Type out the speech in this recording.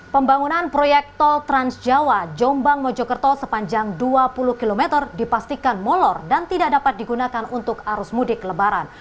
pembangunan proyek tol transjawa jombang mojokerto sepanjang dua puluh km dipastikan molor dan tidak dapat digunakan untuk arus mudik lebaran